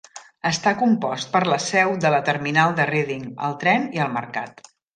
Està compost per la seu de la terminal de Reading, el tren i el mercat.